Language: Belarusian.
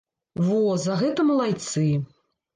Во, за гэта малайцы.